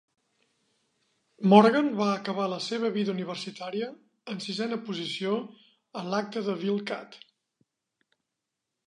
Morgan va acabar la seva vida universitària en sisena posició a l"acta de Willdcat.